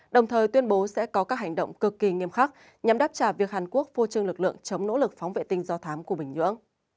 đồng thời tuyên bố sẽ có các hành động cực kỳ nghiêm khắc nhằm đáp trả việc hàn quốc phô trương lực lượng chống nỗ lực phóng vệ tinh do thám của bình nhưỡng